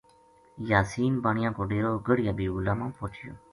یاسین بانیا کو ڈیرو گڑھی حبیب اللہ ما پوہچیو